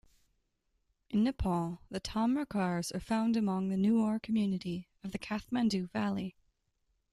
In Nepal, the Tamrakars are found among the Newar community of the Kathmandu Valley.